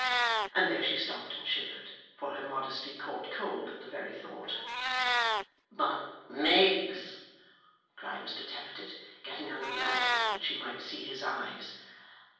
And there she stopped and shivered, for her modesty caught cold at the very thought. 'But Miggs,' cried Mr Tappertit, getting under the lamp, that she might see his eyes.